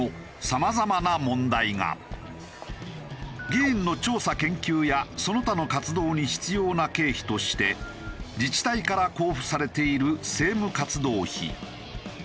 議員の調査研究やその他の活動に必要な経費として自治体から交付されている政務活動費。